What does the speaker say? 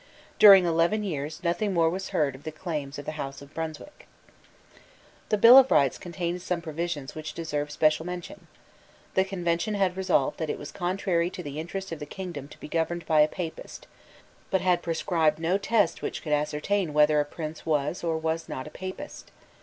During eleven years nothing more was heard of the claims of the House of Brunswick. The Bill of Rights contained some provisions which deserve special mention. The Convention had resolved that it was contrary to the interest of the kingdom to be governed by a Papist, but had prescribed no test which could ascertain whether a prince was or was not a Papist.